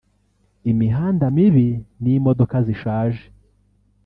imihanda mibi n’imodoka zishaje